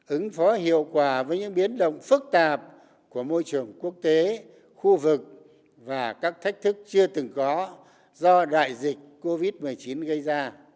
ứng phó hiệu quả với những biến động phức tạp của môi trường quốc tế khu vực và các thách thức chưa từng có do đại dịch covid một mươi chín gây ra